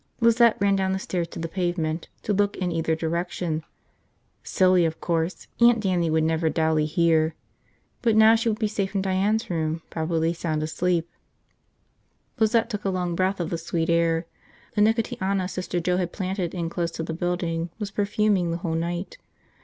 Lizette ran down the stairs to the pavement to look in either direction. Silly, of course. Aunt Dannie would never dally here. By now she would be safe in Diane's room, probably sound asleep. Lizette took a long breath of the sweet air. The nicotiana Sister Joe had planted in close to the building was perfuming the whole night.